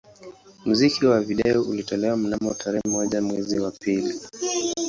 Muziki wa video ulitolewa mnamo tarehe moja mwezi wa pili